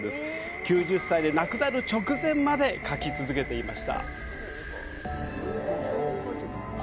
９０歳で亡くなる直前まで描き続けていました。